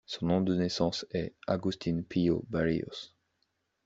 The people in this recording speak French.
Son nom de naissance est Agustín Pio Barrios.